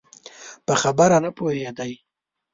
په خبره نه پوهېدی؟